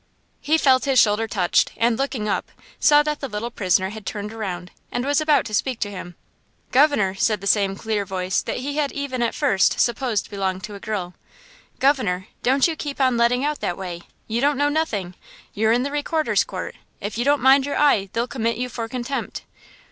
He felt his shoulder touched, and, looking up, saw that the little prisoner had turned around, and was about to speak to him. "Governor," said the same clear voice that he had even at first supposed to belong to a girl– "Governor, don't you keep on letting out that way! You don't know nothing! You're in the Recorder's Court! If you don't mind your eye they'll commit you for contempt!"